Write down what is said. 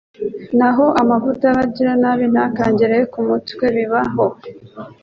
Naho amavuta y’abagiranabi ntakangere ku mutwe bibaho